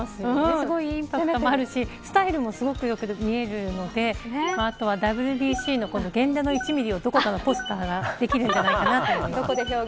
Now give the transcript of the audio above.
すごいインパクトもあるしスタイルも良く見えるのでこの後はＷＢＣの源田の１ミリをどこかのポスターができるんじゃないかな。